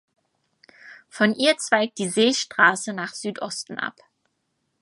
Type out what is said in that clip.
Von ihr zweigt die "Seestraße" nach Südosten ab.